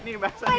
nih basah nih